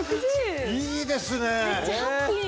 いいですね。